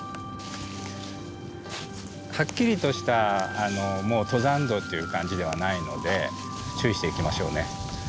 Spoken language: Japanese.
はっきりとしたもう登山道っていう感じではないので注意して行きましょうね。